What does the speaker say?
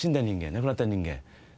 亡くなった人間